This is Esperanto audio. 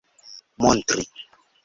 montri